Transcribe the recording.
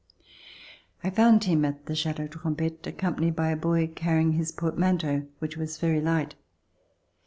I found him at Chateau Trompette accompanied by a boy carrying his port manteau which was very light.